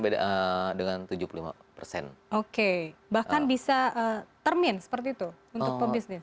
bahkan bisa termin seperti itu untuk pebisnis